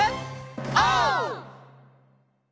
オー！